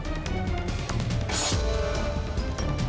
pergi pergi pergi